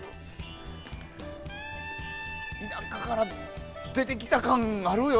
田舎から出てきた感あるよ。